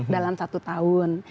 dalam satu tahun